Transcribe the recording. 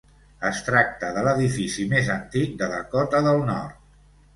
Es tracta de l'edifici més antic de Dakota del Nord.